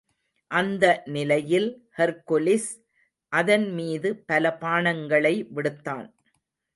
அந்த நிலையில் ஹெர்க்குலிஸ் அதன் மீது பல பாணங்களை விடுத்தான்.